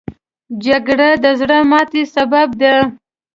جګړه د زړه ماتې سبب ده